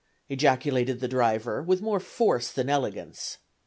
ejaculated the driver, with more force than elegance.